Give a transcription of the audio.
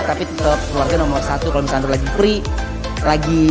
tadi aku nomor dua kan itu keluarga tapi tetep keluarga nomor satu kalau misalnya lagi free lagi